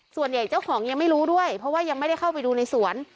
เจ้าของยังไม่รู้ด้วยเพราะว่ายังไม่ได้เข้าไปดูในสวน